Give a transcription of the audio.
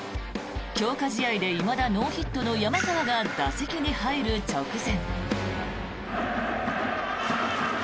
強化試合でいまだノーヒットの山川が打席に入る直前。